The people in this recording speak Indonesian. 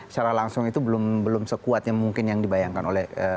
secara langsung itu belum sekuatnya mungkin yang dibayangkan oleh